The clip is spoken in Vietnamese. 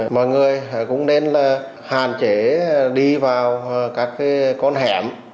mọi người cũng nên hàn chế đi vào các con hẻm